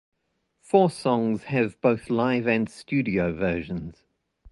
Four songs have both live and studio versions.